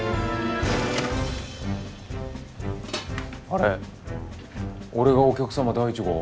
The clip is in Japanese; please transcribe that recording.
あれ俺がお客様第１号？